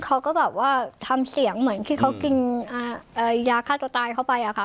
เขาก็แบบว่าทำเสียงเหมือนที่เขากินยาฆ่าตัวตายเข้าไปอะค่ะ